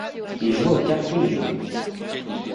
Ils jouaient aux cartes tous les jours.